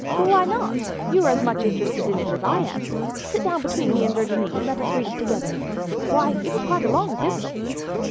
"Why not? You are as much interested in it as I am. Sit down between me and Virginie and let us read it together. Why, it is quite a long epistle."